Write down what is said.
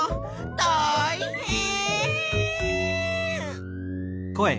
たいへん！